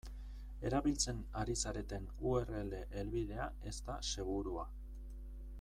Erabiltzen ari zareten u erre ele helbidea ez da segurua.